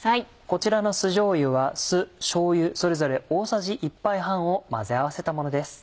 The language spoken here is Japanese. こちらの酢じょうゆは酢しょうゆそれぞれ大さじ１杯半を混ぜ合わせたものです。